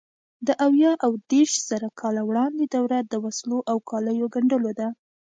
د اویا او دېرشزره کاله وړاندې دوره د وسلو او کالیو ګنډلو ده.